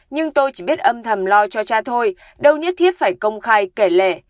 nhưng tôi chỉ biết âm thầm lo cho cha thôi đâu nhất thiết phải công khai kể lệ